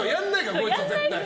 こいつ絶対。